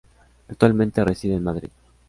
Actualmente reside en Madrid.